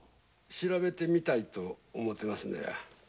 調べてみたいと思ってますのや。